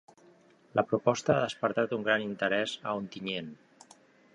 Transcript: La proposta ha despertat un gran interès a Ontinyent.